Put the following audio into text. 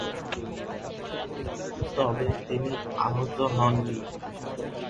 তবে, তিনি আহত হননি।